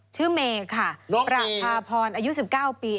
ชื่อเมค่ะประพาพรอายุ๑๙ปี